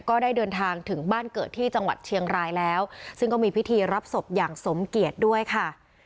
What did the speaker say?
ก็ได้เดินทางถึงบ้านเกิดที่จังหวัดเชียงรายแล้วซึ่งก็มีพิธีรับศพอย่างสมเกียจด้วยค่ะ